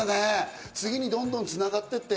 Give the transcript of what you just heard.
次にどんどん繋がっていって。